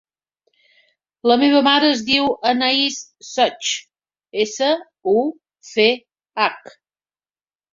La meva mare es diu Anaïs Such: essa, u, ce, hac.